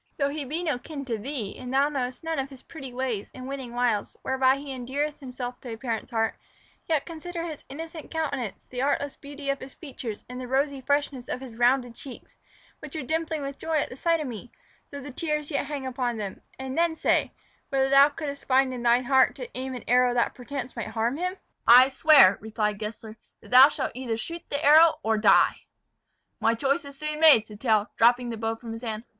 Though he be no kin to thee, and thou knowest none of his pretty ways and winning wiles, whereby he endeareth himself to a parent's heart yet consider his innocent countenance, the artless beauty of his features, and the rosy freshness of his rounded cheeks, which are dimpling with joy at the sight of me, though the tears yet hang upon them and then say, whether thou couldst find in thine heart to aim an arrow that perchance might harm him?" "I swear," replied Gessler, "that thou shalt either shoot the arrow, or die!" "My choice is soon made," said Tell, dropping the bow from his hand.